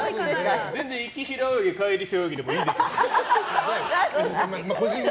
全然、行き平泳ぎ帰り背泳ぎでもいいです。